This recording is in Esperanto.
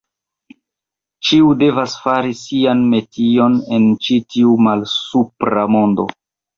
Ĉiu devas fari sian metion en ĉi tiu malsupra mondo.